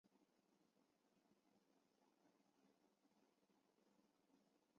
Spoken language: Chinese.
钩足平直蚤为盘肠蚤科平直蚤属的动物。